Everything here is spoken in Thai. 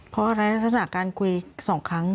เพราะอะไรลักษณะการคุย๒ครั้ง